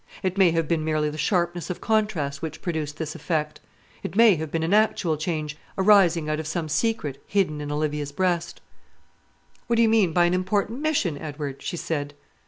It may have been merely the sharpness of contrast which produced this effect. It may have been an actual change arising out of some secret hidden in Olivia's breast. "What do you mean by an important mission, Edward?" she said.